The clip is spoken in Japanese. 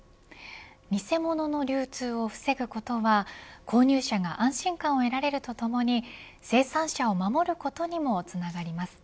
偽物の流通を防ぐことは購入者が安心感を得られるとともに生産者を守ることにもつながります。